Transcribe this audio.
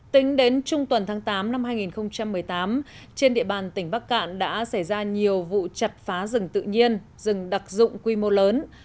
tính đến trung tuần tháng tám năm hai nghìn một mươi tám trên địa bàn tỉnh bắc cạn đã xảy ra nhiều vụ chặt phá rừng tự nhiên rừng đặc dụng quy mô lớn